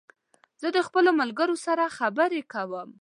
زه د خپلو ملګرو سره خبري کوم